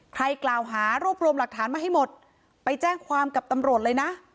ใครกล่าวหารวบรวมหลักฐานมาให้หมดไปแจ้งความกับตำรวจเลยนะ